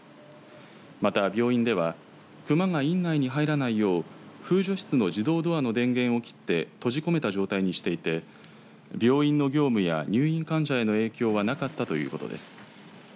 また、病院では熊が院内に入らないよう風除室の自動ドアの電源を切って閉じ込めた状態にしていて病院の業務や入院患者への影響はなかったということです。